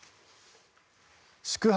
宿泊